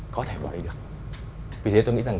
có thể bỏ đi được vì thế tôi nghĩ rằng